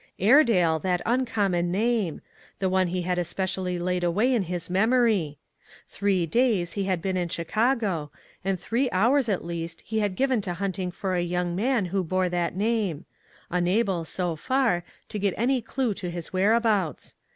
Airedale, that uncommon name ; the one he had especially laid away iu his memory. 362 ONE COMMONPLACE DAY. Three days he had been in Chicago, and three hours at least he had given to hunt ing for a young man who bore that name ; unable, so far, to get any clue to his whereabouts.